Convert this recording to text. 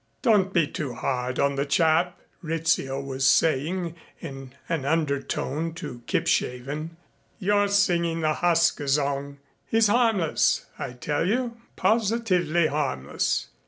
"Don't be too hard on the chap," Rizzio was saying in an undertone to Kipshaven. "You're singing the 'Hassgesang.' He's harmless I tell you positively harmless."